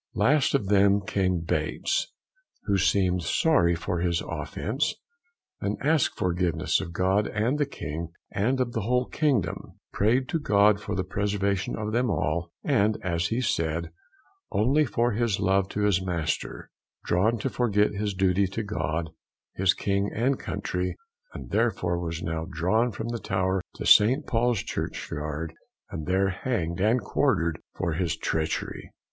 Last of them came Bates, who seemed sorry for his offence, and asked forgiveness of God and the King, and of the whole kingdom; prayed to God for the preservation of them all, and, as he said, only for his love to his master, drawn to forget his duty to God, his King, and country, and therefore was now drawn from the Tower to St. Paul's churchyard, and there hanged and quartered for his treachery.